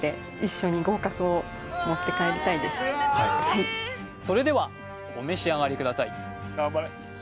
はいそれではお召し上がりください